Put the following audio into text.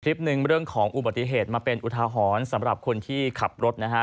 คลิปหนึ่งเรื่องของอุบัติเหตุมาเป็นอุทาหรณ์สำหรับคนที่ขับรถนะฮะ